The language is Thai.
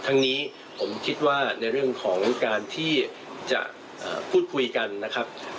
ทั้งนี้ผมคิดว่าในเรื่องของการที่จะพูดคุยกันนะครับ